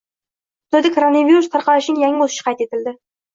Xitoyda koronavirus tarqalishining yangi o‘sishi qayd etildi